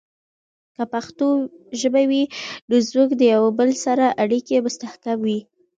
که پښتو ژبه وي، نو زموږ د یوه بل سره اړیکې مستحکم وي.